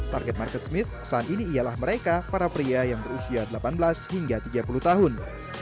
target market smith saat ini ialah mereka para pria yang berusia delapan belas hingga tiga puluh tahun